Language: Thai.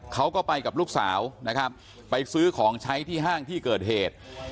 เขาก็ไปกับลูกสาวนะครับไปซื้อของใช้ที่ห้างที่เกิดเหตุ